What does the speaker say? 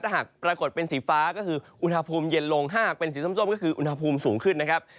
หากปรากฏเป็นสีฟ้าก็คืออุณหภูมิเย็นลงถ้าหากเป็นสีส้มก็คืออุณหภูมิสูงขึ้นนะครับ